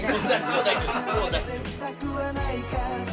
もう大丈夫です。